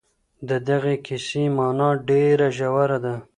د دغي کیسې مانا ډېره ژوره ده.